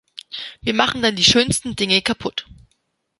Wir machen dann die schönsten Dinge kaputt.